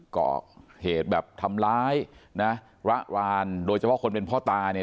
ก่อเหตุแบบทำร้ายนะระรานโดยเฉพาะคนเป็นพ่อตาเนี่ย